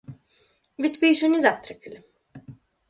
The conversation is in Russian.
Ведь вы еще не завтракали?